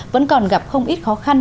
vẫn còn gặp không ít khó khăn